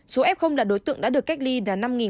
số f là đối tượng đã được cách ly là năm sáu mươi hai ca